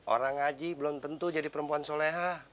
orang ngaji belum tentu jadi perempuan solehah